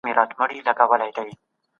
تاسو په پښتنو کي کوم شاعر ډېر خوښوئ؟